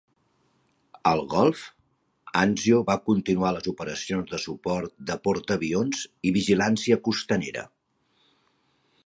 Al golf, "Anzio" va continuar les operacions de suport de portaavions i vigilància costanera.